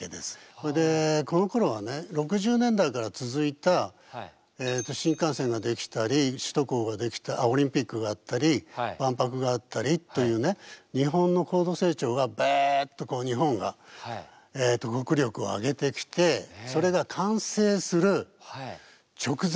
それでこのころはね６０年代から続いた新幹線が出来たり首都高が出来たあっオリンピックがあったり万博があったりというね日本の高度成長がバッとこう日本が国力を上げてきてそれが完成する直前。